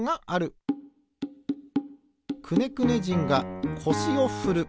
くねくね人がこしをふる。